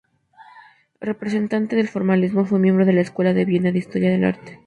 Representante del formalismo, fue miembro de la Escuela de Viena de Historia del Arte.